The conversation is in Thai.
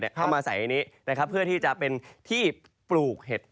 เข้ามาใส่อันนี้นะครับเพื่อที่จะเป็นที่ปลูกเห็ด